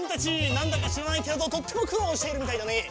なんだかしらないけれどとってもくろうしているみたいだね。